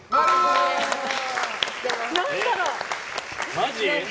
マジ？